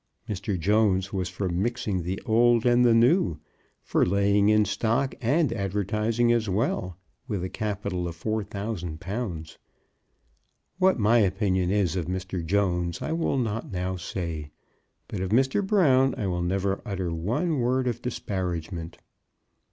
Mr. Jones was for mixing the old and the new, for laying in stock and advertising as well, with a capital of 4,000_l_! What my opinion is of Mr. Jones I will not now say, but of Mr. Brown I will never utter one word of disparagement.